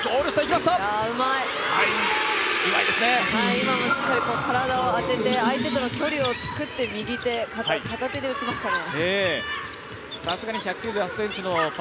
今もしっかり体を当てて相手との距離を作って右手片手で打ちましたね。